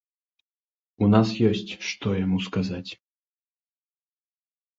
У нас ёсць, што яму сказаць.